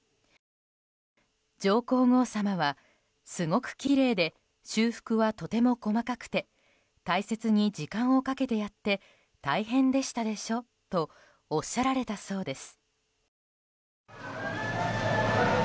上皇后さまは、すごくきれいで修復はとても細かくて大切に時間をかけてやって大変でしたでしょとおっしゃられたそうです。